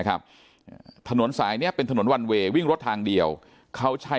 ถนนสายเนี้ยเป็นถนนวันเวย์วิ่งรถทางเดียวเขาใช้